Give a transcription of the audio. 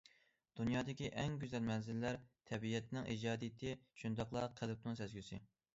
دۇنيادىكى ئەڭ گۈزەل مەنزىرىلەر تەبىئەتنىڭ ئىجادىيىتى، شۇنداقلا قەلبنىڭ سەزگۈسى.